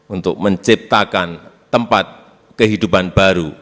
untuk menciptakan tempat kehidupan baru